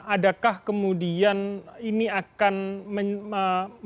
adakah kemudian ini akan menyebabkan